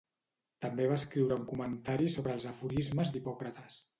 També va escriure un comentari sobre els aforismes d'Hipòcrates.